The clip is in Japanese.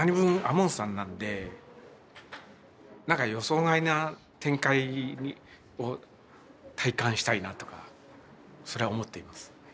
門さんなのでなんか予想外な展開を体感したいなぁとかそれは思っています。